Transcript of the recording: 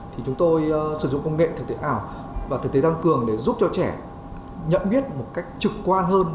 thì chúng tôi sử dụng công nghệ thực tế ảo và thực tế tăng cường để giúp cho trẻ nhận biết một cách trực quan hơn